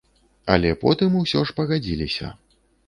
Але потым усё ж пагадзіліся.